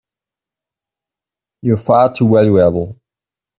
You're far too valuable!